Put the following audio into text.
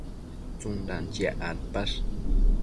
tsundan chiac adpash?